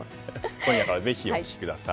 今夜からぜひ、お聴きください。